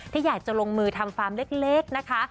ถ้าอยากจะลงมือทำฟาร์มเล็กนะคะ